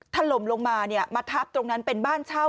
ถล่มลงมาเนี่ยมาทับตรงนั้นเป็นบ้านเช่า